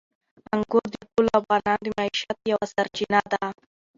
انګور د ټولو افغانانو د معیشت یوه سرچینه ده.